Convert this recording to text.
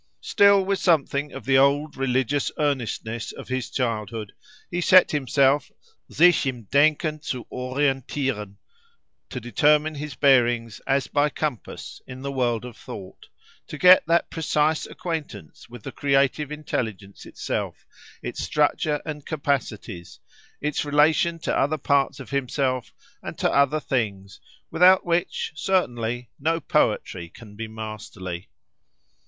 Still with something of the old religious earnestness of his childhood, he set himself—Sich im Denken zu orientiren—to determine his bearings, as by compass, in the world of thought—to get that precise acquaintance with the creative intelligence itself, its structure and capacities, its relation to other parts of himself and to other things, without which, certainly, no poetry can be masterly.